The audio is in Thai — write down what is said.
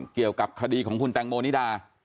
เกี่ยวกับคดีของคุณแตงโมนิดา